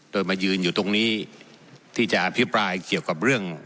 โดยมายืนอยู่ตรงนี้ที่จะอภิปรายเกี่ยวกับเรื่อง